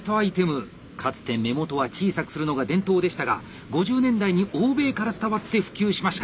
かつて目元は小さくするのが伝統でしたが５０年代に欧米から伝わって普及しました！